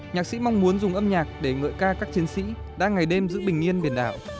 nhạc sĩ mong muốn dùng âm nhạc để ngợi ca các chiến sĩ đang ngày đêm giữ bình yên biển đảo